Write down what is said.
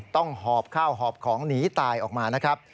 หอบข้าวหอบของหนีตายออกมานะครับ